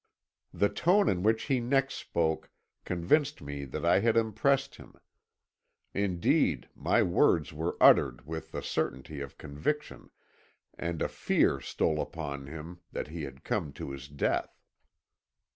The tone in which he next spoke convinced me that I had impressed him. Indeed, my words were uttered with the certainty of conviction, and a fear stole upon him that he had come to his death.